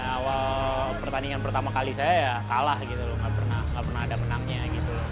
awal pertandingan pertama kali saya ya kalah gitu loh nggak pernah ada menangnya gitu loh